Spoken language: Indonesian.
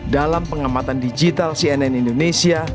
dalam pengamatan digital cnn indonesia